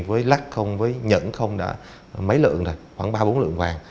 với lắc không với nhẫn không đã mấy lượng này khoảng ba bốn lượng vàng